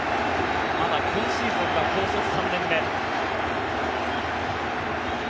まだ今シーズンが高卒３年目。